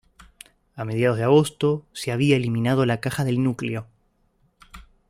A mediados de agosto, se había eliminado la caja del núcleo.